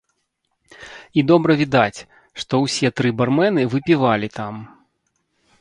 І добра відаць, што ўсе тры бармэны выпівалі там.